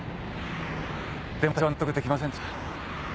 でも私は納得できませんでした。